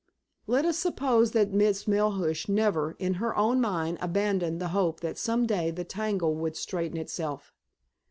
Let us suppose that Miss Melhuish never, in her own mind, abandoned the hope that some day the tangle would straighten itself.